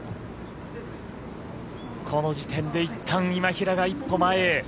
この時点でいったん、今平が一歩前へ。